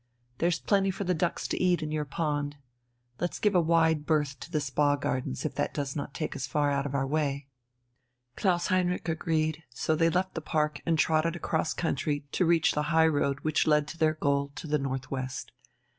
There's plenty for the ducks to eat in your pond. Let's give a wide berth to the Spa Gardens, if that does not take us far out of our way." Klaus Heinrich agreed, so they left the park and trotted across country to reach the high road which led to their goal to the north west.